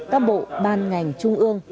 các bộ ban ngành trung ương